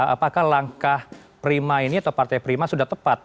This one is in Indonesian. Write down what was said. apakah langkah prima ini atau partai prima sudah tepat